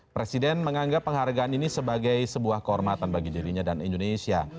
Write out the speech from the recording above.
presiden menganggap penghargaan ini sebagai sebuah kehormatan bagi dirinya dan indonesia